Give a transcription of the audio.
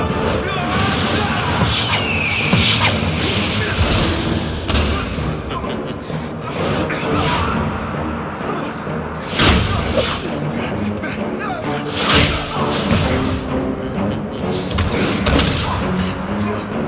esetria pembanggaan kerajaan voodoo